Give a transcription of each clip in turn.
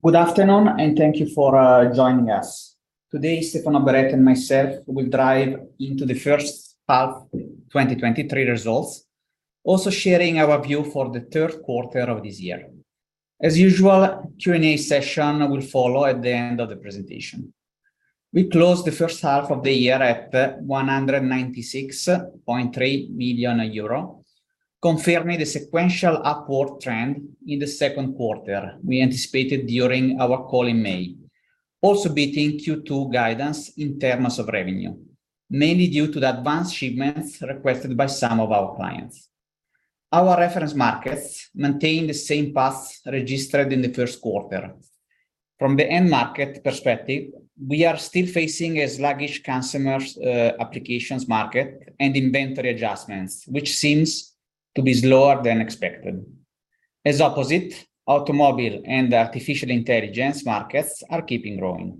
Good afternoon, and thank you for joining us. Today, Stefano Beretta and myself will dive into the first half 2023 results, also sharing our view for Q3 of this year. As usual, Q&A session will follow at the end of the presentation. We closed the first half of the year at 196.3 million euro, confirming the sequential upward trend in the Q2 we anticipated during our call in May. Also beating Q2 guidance in terms of revenue, mainly due to the advanced shipments requested by some of our clients. Our reference markets maintain the same path registered in the Q2. From the end market perspective, we are still facing a sluggish consumers applications market and inventory adjustments, which seems to be slower than expected. As opposite, automobile and artificial intelligence markets are keeping growing.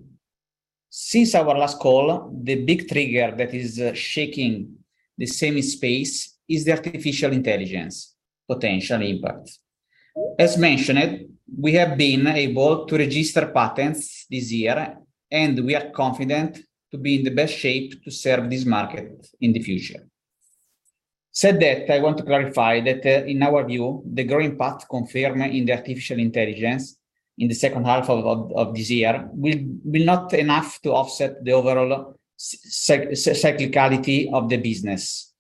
Since our last call, the big trigger that is shaking the semi space is the artificial intelligence potential impact. As mentioned, we have been able to register patents this year, and we are confident to be in the best shape to serve this market in the future. Said that, I want to clarify that in our view, the growing path confirmed in the artificial intelligence in the second half of this year will not enough to offset the overall cyclicality of the business,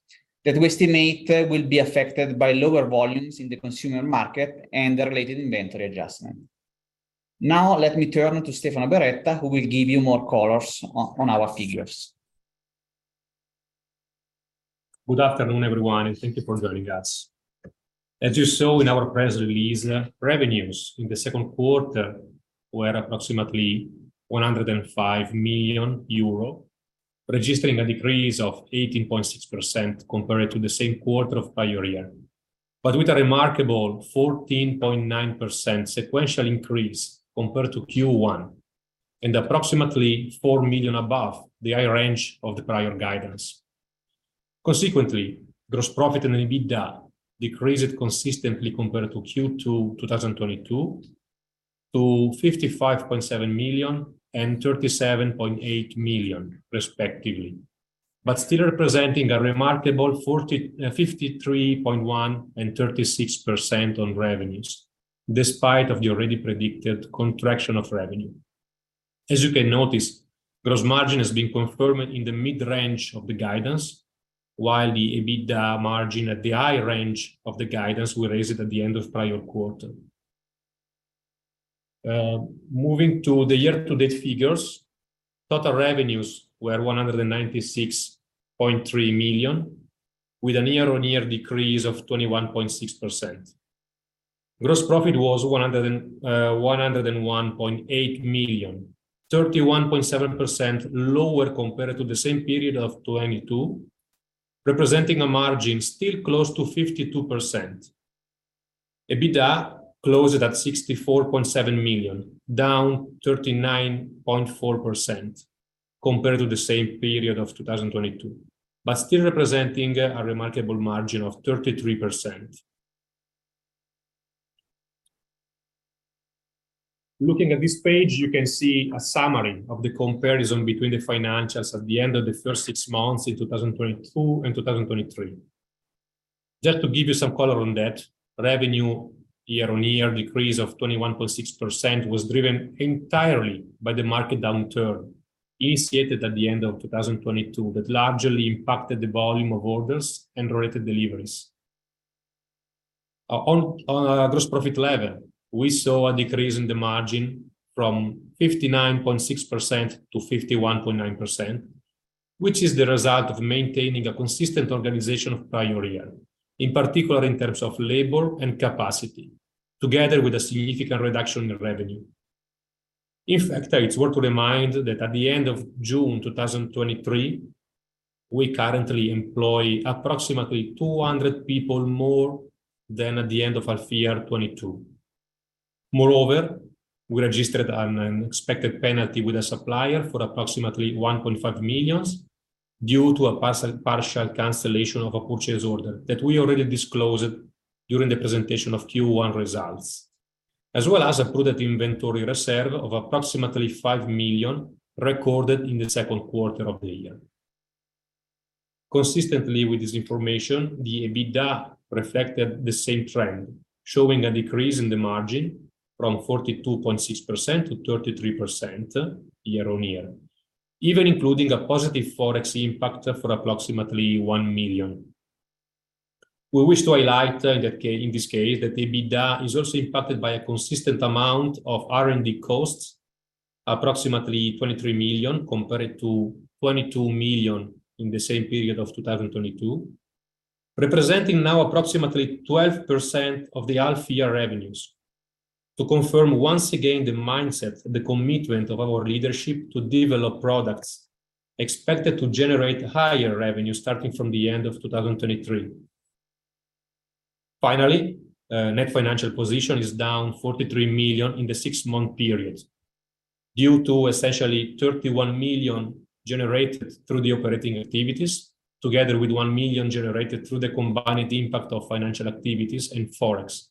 that we estimate will be affected by lower volumes in the consumer market and the related inventory adjustment. Now, let me turn to Stefano Beretta, who will give you more colors on our figures. Good afternoon, everyone, and thank you for joining us. As you saw in our press release, revenues in Q2 were approximately 105 million euro, registering a decrease of 18.6% compared to the same quarter of prior-year. With a remarkable 14.9% sequential increase compared to Q1, and approximately 4 million above the high range of the prior guidance. Consequently, gross profit and EBITDA decreased consistently compared to Q2 2022, to 55.7 million and 37.8 million, respectively, but still representing a remarkable 53.1% and 36% on revenues, despite of the already predicted contraction of revenue. As you can notice, gross margin has been confirmed in the mid-range of the guidance, while the EBITDA margin at the high range of the guidance were raised at the end of prior-quarter. Moving to the year-to-date figures, total revenues were 196.3 million, with a year-on-year decrease of 21.6%. Gross profit was 101.8 million, 31.7% lower compared to the same period of 2022, representing a margin still close to 52%. EBITDA closed at 64.7 million, down 39.4% compared to the same period of 2022, but still representing a remarkable margin of 33%. Looking at this page, you can see a summary of the comparison between the financials at the end of the first six months in 2022 and 2023. Just to give you some color on that, revenue year-on-year decrease of 21.6% was driven entirely by the market downturn, initiated at the end of 2022, that largely impacted the volume of orders and related deliveries. On, on a gross profit level, we saw a decrease in the margin from 59.6% to 51.9%, which is the result of maintaining a consistent organization of prior year, in particular, in terms of labor and capacity, together with a significant reduction in revenue. In fact, it's worth to remind that at the end of June 2023, we currently employ approximately 200 people more than at the end of our full year, 2022. Moreover, we registered an expected penalty with a supplier for approximately $1.5 million, due to a partial cancellation of a purchase order that we already disclosed during the presentation of Q1 results, as well as a product inventory reserve of approximately $5 million, recorded in Q2 of the year. Consistently with this information, the EBITDA reflected the same trend, showing a decrease in the margin from 42.6% to 33% year-on-year, even including a positive Forex impact for approximately $1 million. We wish to highlight, in this case, that the EBITDA is also impacted by a consistent amount of R&D costs, approximately $23 compared to 22 million in the same period of 2022, representing now approximately 12% of the half-year revenues. To confirm once again the mindset, the commitment of our leadership to develop products expected to generate higher revenue starting from the end of 2023. Net financial position is down 43 million in the six-month period, due to essentially 31 million generated through the operating activities, together with 1 million generated through the combined impact of financial activities and Forex.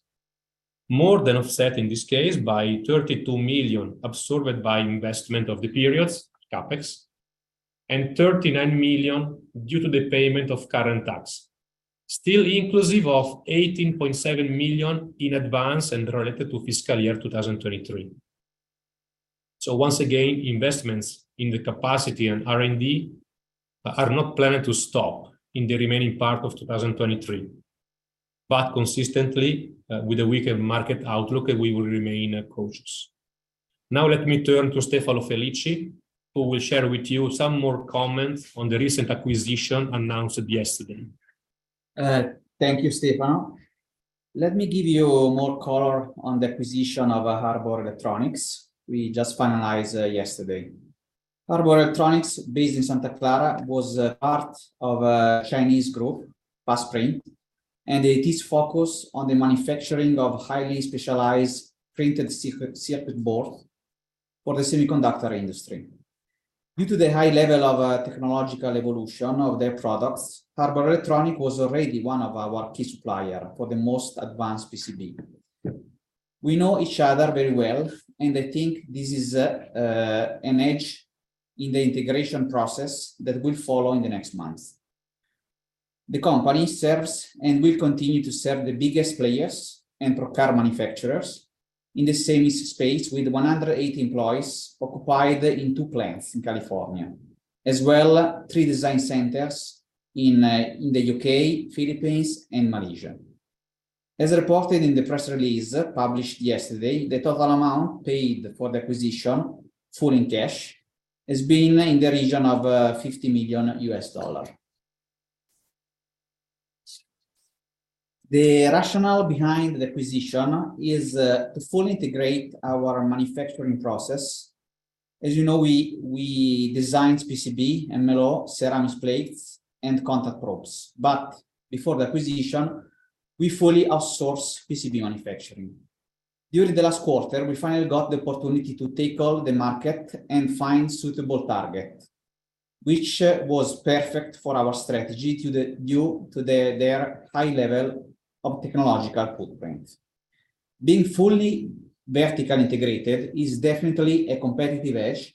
More than offset in this case by 32 million absorbed by investment of the periods, CapEx, and 39 million due to the payment of current tax. Still inclusive of 18.7 million in advance and related to fiscal year 2023. Once again, investments in the capacity and R&D are not planning to stop in the remaining part of 2023. Consistently, with a weaker market outlook, we will remain cautious. Let me turn to Stefano Felici, who will share with you some more comments on the recent acquisition announced yesterday. Thank you, Stefano. Let me give you more color on the acquisition of Arbor Electronics we just finalized yesterday. Arbor Electronics, based in Santa Clara, was a part of a Chinese group, Fast Print, and it is focused on the manufacturing of highly specialized printed circuit board for the semiconductor industry. Due to the high level of technological evolution of their products, Arbor Electronics was already one of our key supplier for the most advanced PCB. We know each other very well. I think this is an edge in the integration process that will follow in the next months. The company serves, and will continue to serve, the biggest players and probe card manufacturers in the same space, with 108 employees occupied in two plants in California, as well three design centers in the U.K., Philippines, and Malaysia. As reported in the press release published yesterday, the total amount paid for the acquisition, full in cash, has been in the region of $50 million. The rationale behind the acquisition is to fully integrate our manufacturing process. As you know, we, we designed PCB, MLO, ceramic plates, and contact probes, but before the acquisition, we fully outsourced PCB manufacturing. During the last quarter, we finally got the opportunity to take over the market and find suitable target, which was perfect for our strategy due to their, their high level of technological footprint. Being fully vertically integrated is definitely a competitive edge,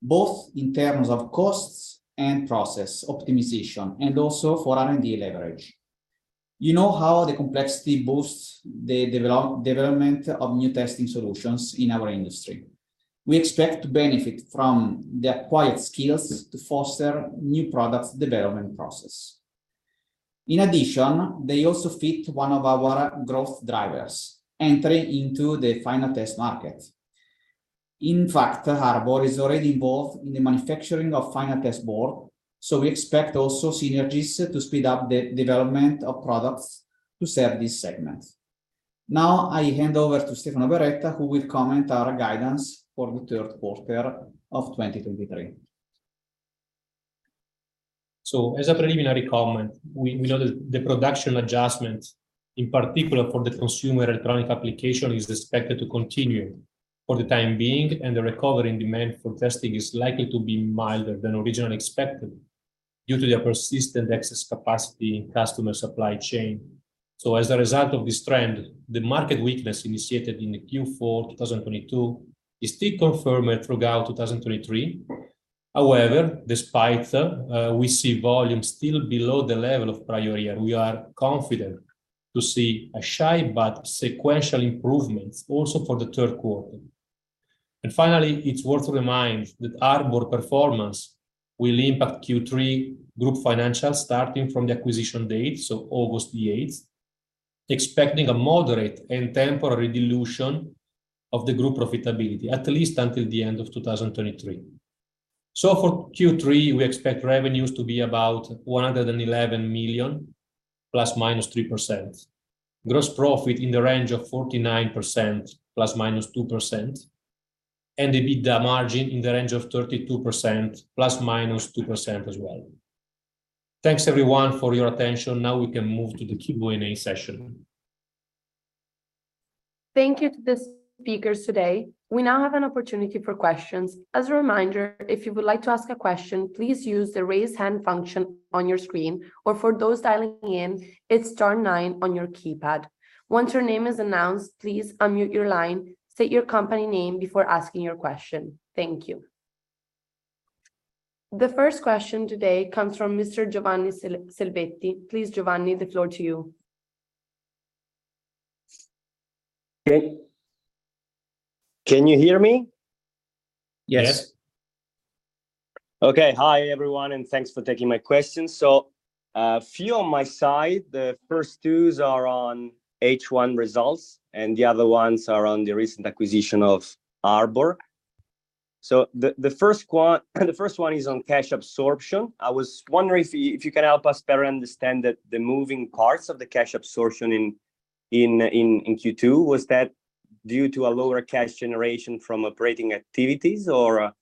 both in terms of costs and process optimization, and also for R&D leverage. You know how the complexity boosts the development of new testing solutions in our industry. We expect to benefit from the acquired skills to foster new products development process. In addition, they also fit one of our growth drivers: entry into the final test market. Arbor is already involved in the manufacturing of final test board, so we expect also synergies to speed up the development of products to serve this segment. Now, I hand over to Stefano Beretta, who will comment our guidance for Q3 of 2023. As a preliminary comment, we know that the production adjustment, in particular for the consumer electronic application, is expected to continue for the time being, and the recovery in demand for testing is likely to be milder than originally expected due to the persistent excess capacity in customer supply chain. As a result of this trend, the market weakness initiated in the Q4 2022 is still confirmed throughout 2023. However, despite we see volume still below the level of prior year, we are confident to see a shy but sequential improvement also for Q3. Finally, it's worth to remind that Arbor performance will impact Q3 group financials starting from the acquisition date, August the eighth, expecting a moderate and temporary dilution of the group profitability, at least until the end of 2023. For Q3, we expect revenues to be about 111 million ±3%. Gross profit in the range of 49% ±2%, and EBITDA margin in the range of 32% ±2% as well. Thanks, everyone, for your attention. Now we can move to the Q&A session. Thank you to the speakers today. We now have an opportunity for questions. As a reminder, if you would like to ask a question, please use the Raise Hand function on your screen, or for those dialing in, it's star nine on your keypad. Once your name is announced, please unmute your line, state your company name before asking your question. Thank you. The first question today comes from Mr. Giovanni Selvetti. Please, Giovanni, the floor to you. Okay. Can you hear me? Yes. Yes. Hi, everyone, thanks for taking my questions. A few on my side. The first two are on H1 results, and the other ones are on the recent acquisition of Arbor. The first one is on cash absorption. I was wondering if you can help us better understand the moving parts of the cash absorption in Q2. Was that due to a lower cash generation from operating activities, or?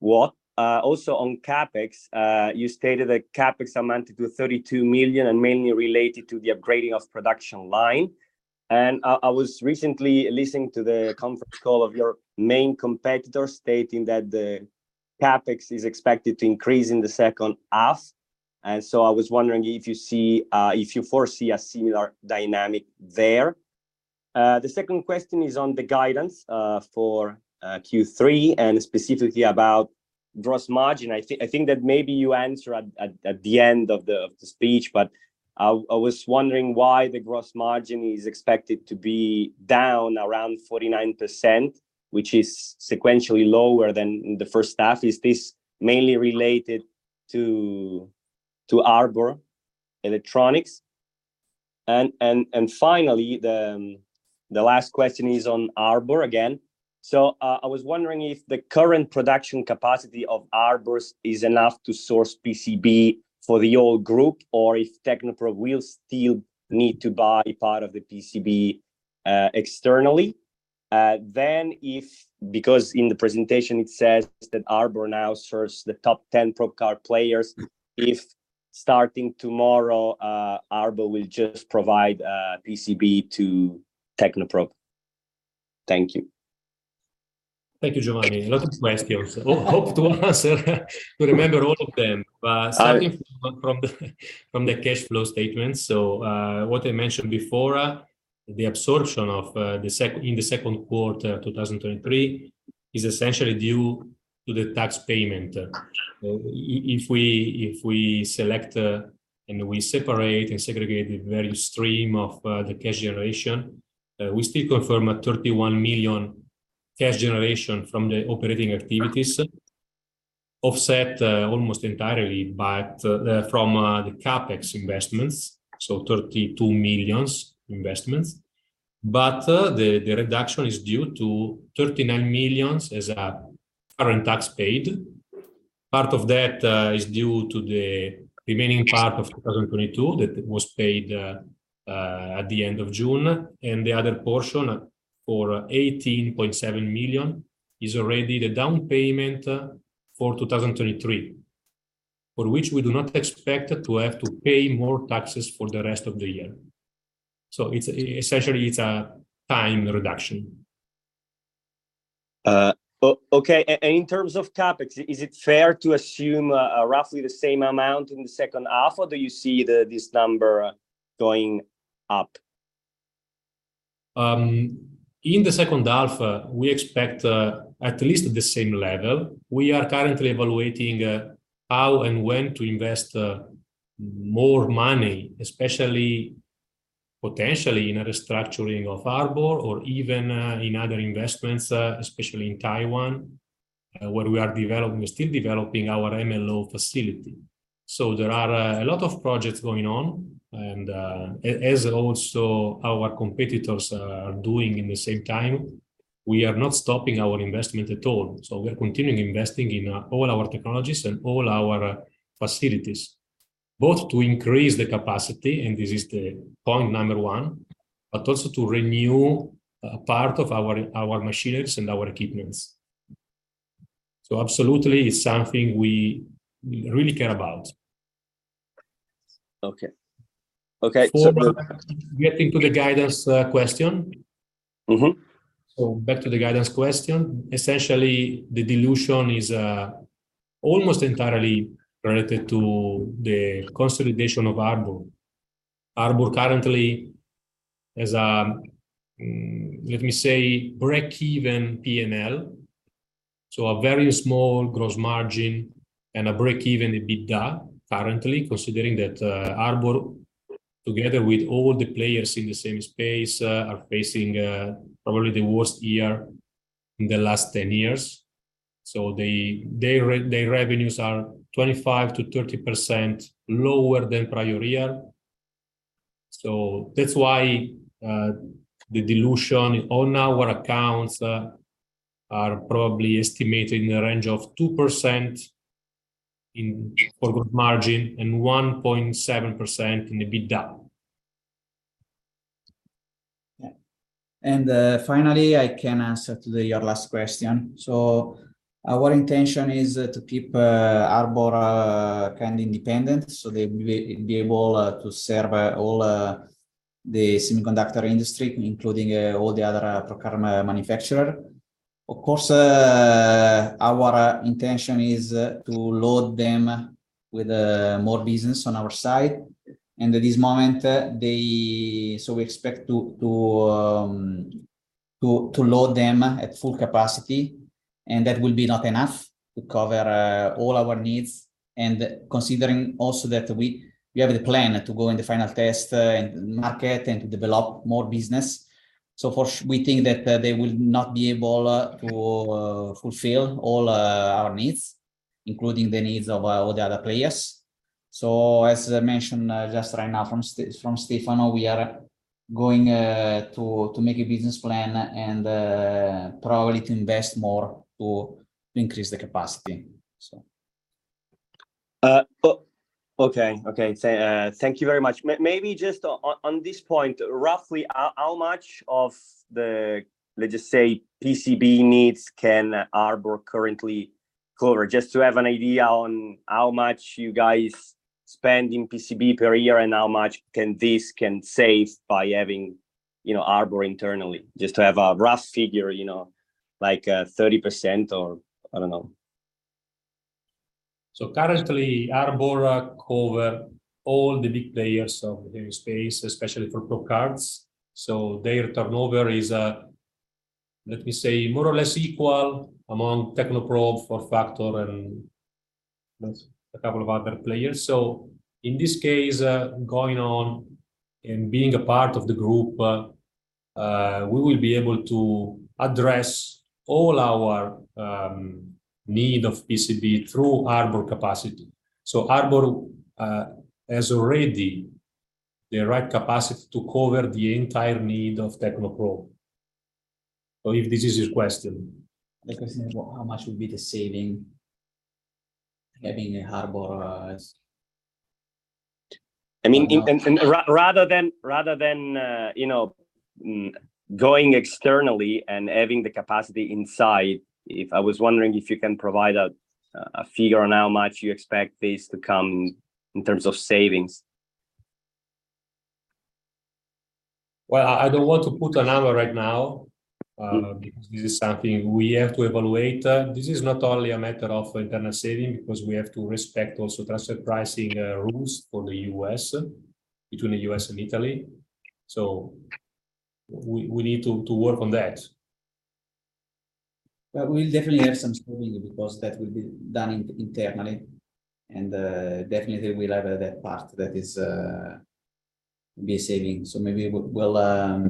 Well, also on CapEx, you stated that CapEx amounted to 32 million and mainly related to the upgrading of production line. I was recently listening to the conference call of your main competitor, stating that the CapEx is expected to increase in the second half. I was wondering if you see if you foresee a similar dynamic there? The second question is on the guidance for Q3, specifically about gross margin. I think that maybe you answer at, at, at the end of the, of the speech, but I was wondering why the gross margin is expected to be down around 49%, which is sequentially lower than the first half. Is this mainly related to Arbor Electronics? Finally, the last question is on Arbor again. I was wondering if the current production capacity of Arbor is enough to source PCB for the whole group, or if Technoprobe will still need to buy part of the PCB externally? Because in the presentation, it says that Arbor now serves the top 10 probe card players, if starting tomorrow, Arbor will just provide PCB to Technoprobe. Thank you. Thank you, Giovanni. A lot of questions. I hope to answer, to remember all of them. I- Starting from the cash flow statement. What I mentioned before, the absorption of in Q2 2023, is essentially due to the tax payment. If we select and we separate and segregate the various stream of the cash generation, we still confirm a 31 million cash generation from the operating activities, offset almost entirely by from the CapEx investments, so 32 million investments. The reduction is due to 39 million as a current tax paid. Part of that is due to the remaining part of 2022, that was paid at the end of June, and the other portion for 18.7 million, is already the down payment for 2023, for which we do not expect to have to pay more taxes for the rest of the year. It's, essentially, it's a time reduction. Okay, in terms of CapEx, is it fair to assume, roughly the same amount in the second half, or do you see this number going up? In the second half, we expect at least the same level. We are currently evaluating how and when to invest more money, especially, potentially in a restructuring of Arbor or even in other investments, especially in Taiwan, where we are developing... We're still developing our MLO facility. There are a lot of projects going on, and as also our competitors are doing in the same time, we are not stopping our investment at all. We are continuing investing in all our technologies and all our facilities, both to increase the capacity, and this is the point number one, but also to renew part of our, our machines and our equipments. Absolutely, it's something we, we really care about. Okay. Okay. Getting to the guidance, question. Mm-hmm. Back to the guidance question. Essentially, the dilution is almost entirely related to the consolidation of Arbor. Arbor currently has a, let me say, break-even P&L, so a very small gross margin and a break-even EBITDA, currently, considering that Arbor, together with all the players in the same space, are facing probably the worst year in the last 10 years. Their, their revenues are 25%-30% lower than prior year. That's why, the dilution on our accounts, are probably estimated in the range of 2% in total margin and 1.7% in the EBITDA. Yeah. Finally, I can answer to the, your last question. Our intention is to keep Arbor kind independent, so they will be able to serve all the semiconductor industry, including all the other probe card manufacturer. Of course, our intention is to load them with more business on our side. At this moment, they... We expect to, to, to load them at full capacity, and that will be not enough to cover all our needs. Considering also that we, we have the plan to go in the final test and market and to develop more business, we think that they will not be able to fulfill all our needs, including the needs of all the other players. as I mentioned, just right now from Stefano, we are going to, to make a business plan and, probably to invest more to increase the capacity. So... okay, okay. thank you very much. maybe just on, on this point, roughly, how, how much of the, let's just say, PCB needs can Arbor currently cover? Just to have an idea on how much you guys spend in PCB per year, and how much can this save by having, you know, Arbor internally. Just to have a rough figure, you know, like, 30% or I don't know. Currently, Arbor cover all the big players of the space, especially for probe cards. Their turnover is, let me say, more or less equal among Technoprobe, FormFactor, and that's a couple of other players. In this case, going on and being a part of the group, we will be able to address all our need of PCB through Arbor capacity. Arbor has already the right capacity to cover the entire need of Technoprobe. If this is your question. The question is, how much would be the saving, having Arbor. I mean, in, and, and rather than, rather than, you know, going externally and having the capacity inside, I was wondering if you can provide a figure on how much you expect this to come in terms of savings? Well, I, I don't want to put a number right now. Mm... because this is something we have to evaluate. This is not only a matter of internal saving, because we have to respect also transfer pricing rules for the U.S., between the U.S. and Italy. We, we need to, to work on that. We'll definitely have some saving because that will be done internally, and definitely we'll have that part that is be a saving. Maybe we, we'll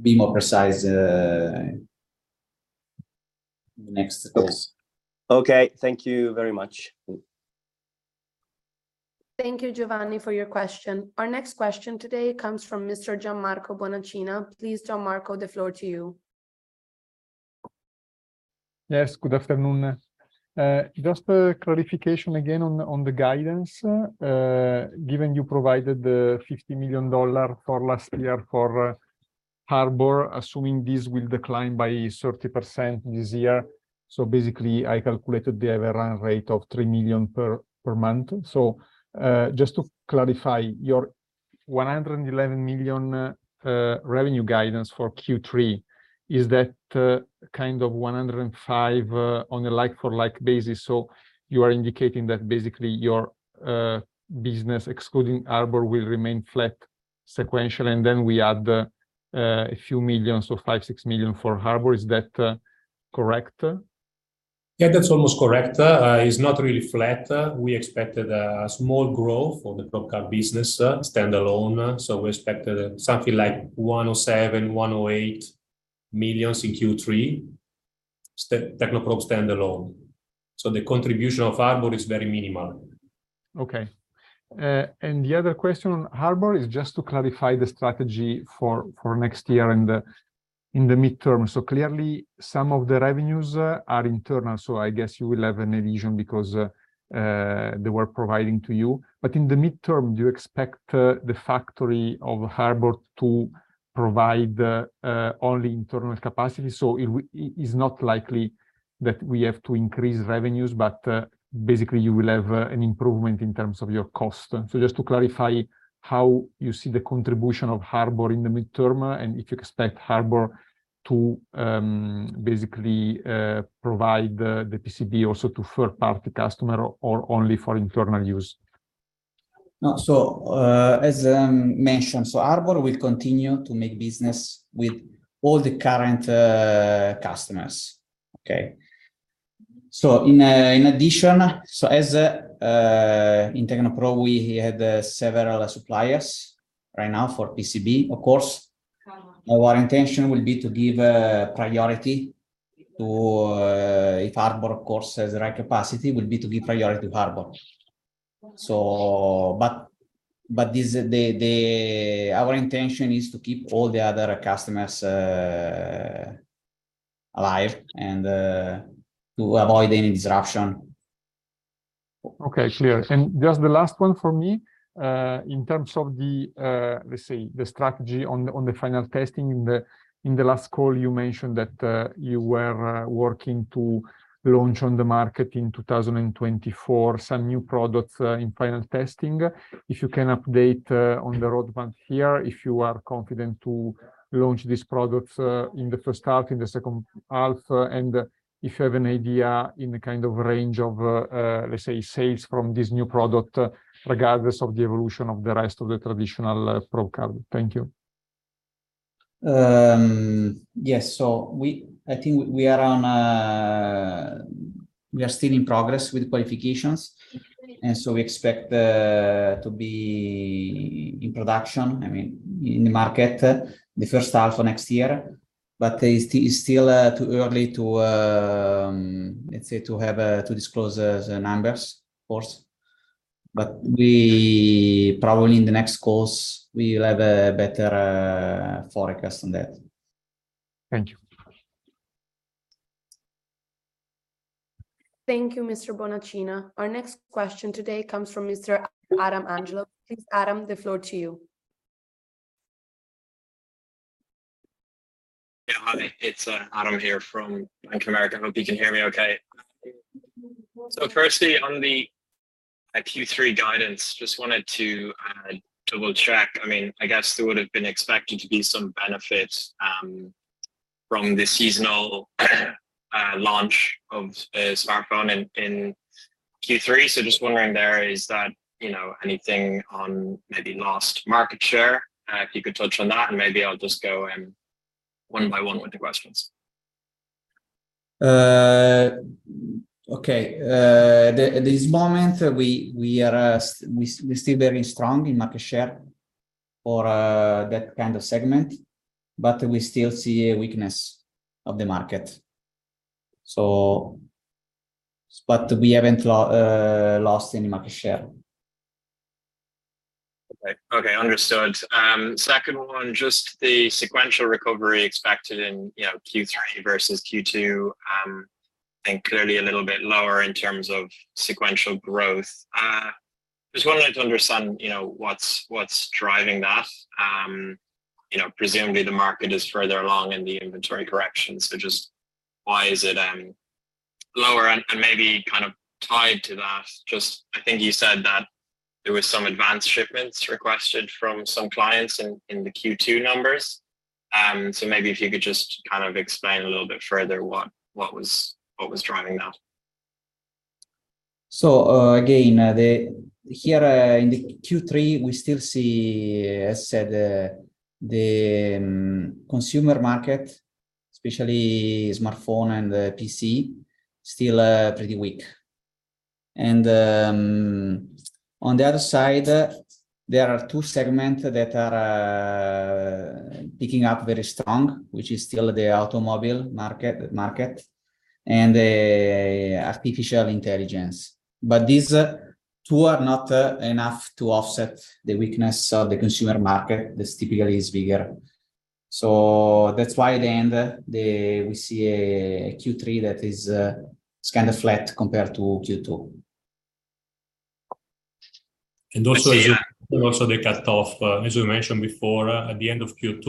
be more precise next calls. Okay. Thank you very much. Thank you, Giovanni, for your question. Our next question today comes from Mr. Gianmarco Bonacina. Please, Gianmarco, the floor to you. Yes, good afternoon. Just a clarification again on the guidance. Given you provided the $50 million for last year for Arbor, assuming this will decline by 30% this year, basically, I calculated they have a run rate of $3 million per, per month. Just to clarify, your $111 million revenue guidance for Q3, is that kind of $105 million on a like for like basis? You are indicating that basically your business, excluding Arbor, will remain flat sequential, and then we add a few millions, so $5-6 million for Arbor. Is that, correct? Yeah, that's almost correct. It's not really flat. We expected a small growth for the probe card business, standalone. We expected something like 107- 108 million in Q3, Technoprobe standalone. The contribution of Arbor is very minimal. Okay. The other question on Arbor is just to clarify the strategy for next year and in the midterm. Clearly, some of the revenues are internal, so I guess you will have an illusion because they were providing to you. In the midterm, do you expect the factory of Arbor to provide only internal capacity? It is not likely that we have to increase revenues, but basically you will have an improvement in terms of your cost. Just to clarify, how you see the contribution of Arbor in the midterm, and if you expect Arbor to basically provide the PCB also to third-party customer or only for internal use? As mentioned, Arbor will continue to make business with all the current customers. Okay? In addition, as in Technoprobe, we had several suppliers right now for PCB, of course. Our intention will be to give priority to... If Arbor, of course, has the right capacity, will be to give priority to Arbor. Our intention is to keep all the other customers alive and to avoid any disruption. Okay, clear. Just the last one for me, in terms of the, let's say, the strategy on the, on the final testing. In the, in the last call, you mentioned that you were working to launch on the market in 2024, some new products, in final testing. If you can update on the roadmap here, if you are confident to launch these products, in the first half, in the second half, and if you have an idea in the kind of range of, let's say, sales from this new product, regardless of the evolution of the rest of the traditional, probe card. Thank you. Yes. I think we are on... We are still in progress with qualifications, and so we expect to be in production, I mean, in the market, the first half of next year. It's still too early to, let's say, to have a, to disclose the numbers, of course. We... Probably in the next calls, we will have a better forecast on that. Thank you. Thank you, Mr. Bonacina. Our next question today comes from Mr. Adam Angelou. Please, Adam, the floor to you. Yeah, hi, it's Adam here from Bank of America. Hope you can hear me okay. Firstly, on Q3 guidance, just wanted to double-check. I mean, I guess there would have been expected to be some benefit from the seasonal launch of a smartphone in Q3. Just wondering there, is that, you know, anything on maybe lost market share? If you could touch on that, and maybe I'll just go in one by one with the questions. Okay. At this moment, we are, we still very strong in market share for that kind of segment, but we still see a weakness of the market. We haven't lost any market share. Okay. Okay, understood. Second one, just the sequential recovery expected in, you know, Q3 versus Q2, and clearly a little bit lower in terms of sequential growth. Just wanted to understand, you know, what's, what's driving that. You know, presumably, the market is further along in the inventory correction, just why is it lower? Maybe kind of tied to that, just I think you said that there was some advanced shipments requested from some clients in Q2 numbers. Maybe if you could just kind of explain a little bit further what, what was, what was driving that? Again, here, in Q3, we still see, as I said, the consumer market, especially smartphone and PC, still pretty weak. On the other side, there are two segments that are picking up very strong, which is still the automobile market and the artificial intelligence. These two are not enough to offset the weakness of the consumer market. This typically is bigger. That's why at the end, we see a Q3 that is it's kind of flat compared to Q2. Also. Yeah... also the cutoff, as we mentioned before, at the end of Q2,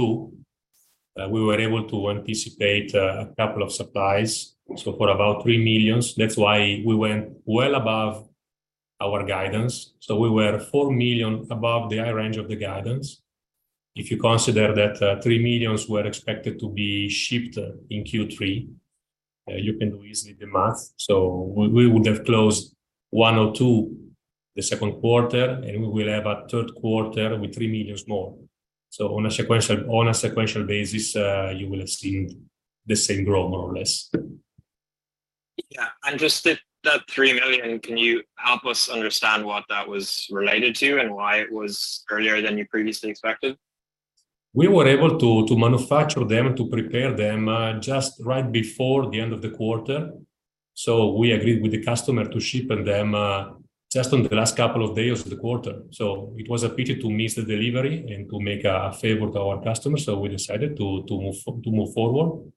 we were able to anticipate a couple of supplies, so for about 3 million. That's why we went well above our guidance, so we were 4 million above the high range of the guidance. If you consider that, 3 million were expected to be shipped in Q3, you can do easily the math. We, we would have closed one or two Q2, and we will have a third quarter with 3 million more. On a sequential, on a sequential basis, you will have seen the same growth, more or less. Yeah. Just that, that 3 million, can you help us understand what that was related to and why it was earlier than you previously expected? We were able to manufacture them and to prepare them, just right before the end of the quarter. We agreed with the customer to shipment them, just on the last couple of days of the quarter. It was a pity to miss the delivery and to make a favor to our customer, so we decided to move forward.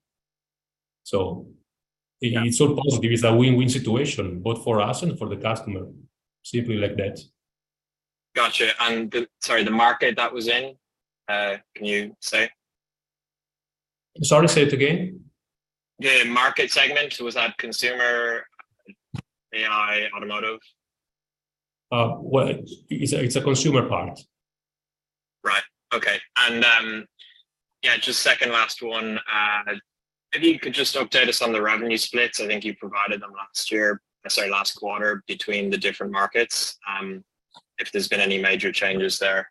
Yeah It's all positive. It's a win-win situation, both for us and for the customer. Simply like that. Gotcha. Sorry, the market that was in, can you say? Sorry, say it again? The market segment, was that consumer, AI, automotive? Well, it's a consumer part. Right. Okay. Yeah, just second last one, if you could just update us on the revenue splits. I think you provided them last year, sorry, last quarter, between the different markets, if there's been any major changes there?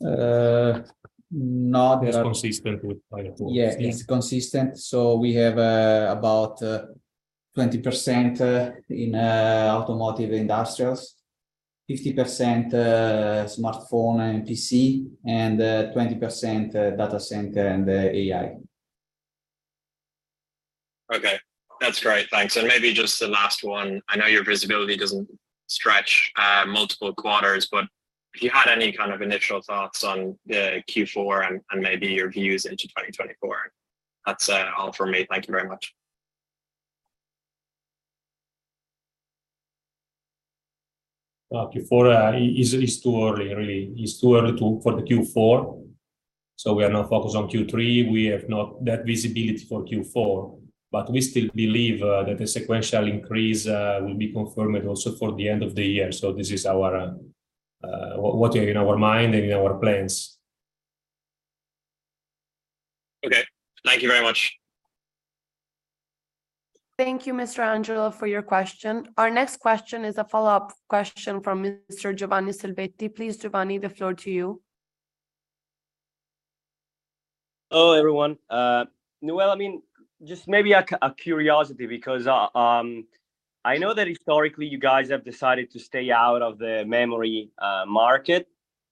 No, there- It's consistent with the quarter before. Yeah, it's consistent. We have about 20% in automotive industrials, 50% smartphone and PC, and 20% data center and AI. Okay. That's great. Thanks. Maybe just the last one. I know your visibility doesn't stretch multiple quarters, but if you had any kind of initial thoughts on Q4 and maybe your views into 2024. That's all from me. Thank you very much. Q4, it's too early, really. It's too early for the Q4. We are now focused on Q3. We have not that visibility for Q4, but we still believe that the sequential increase will be confirmed also for the end of the year. This is our what, in our mind and in our plans. Okay. Thank you very much. Thank you, Mr. Angelo, for your question. Our next question is a follow-up question from Mr. Giovanni Selvetti. Please, Giovanni, the floor to you. Hello, everyone. Stefano, I mean, just maybe a, a curiosity because I know that historically you guys have decided to stay out of the memory market,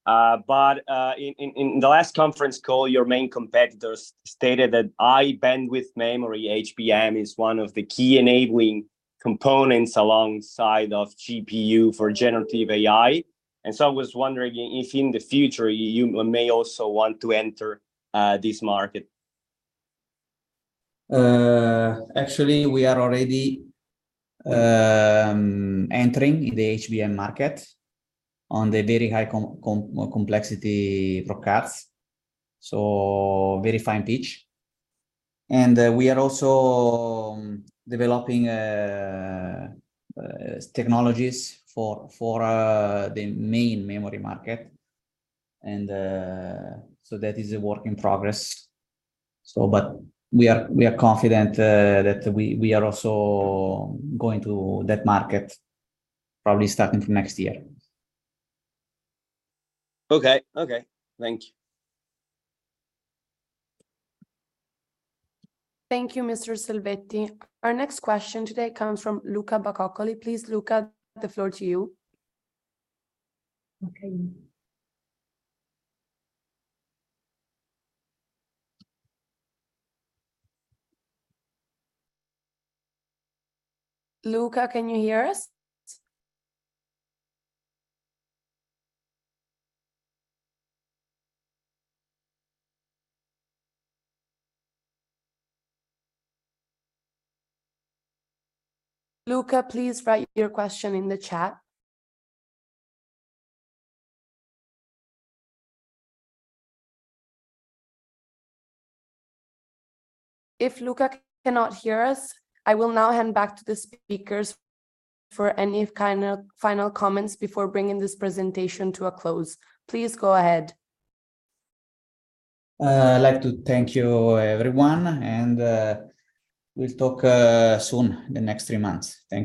but in, in, in the last conference call, your main competitors stated that high bandwidth memory, HBM, is one of the key enabling components alongside of GPU for generative AI. I was wondering if in the future you, you may also want to enter this market? actually, we are already entering in the HBM market on the very high complexity products, so very fine pitch. We are also developing technologies for the main memory market, and, so that is a work in progress. We are confident that we are also going to that market probably starting from next year. Okay. Okay. Thank you. Thank you, Mr. Selvetti. Our next question today comes from Luca Bacoccoli. Please, Luca, the floor to you. Okay. Luca, can you hear us? Luca, please write your question in the chat. If Luca cannot hear us, I will now hand back to the speakers for any kind of final comments before bringing this presentation to a close. Please go ahead. I'd like to thank you, everyone, and we'll talk soon, in the next three months. Thank you.